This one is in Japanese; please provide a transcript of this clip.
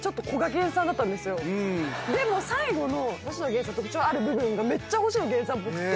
でも最後の星野源さんの特徴ある部分がめっちゃ星野源さんっぽくて。